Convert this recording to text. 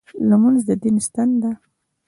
لمونځ د دین ستن ده.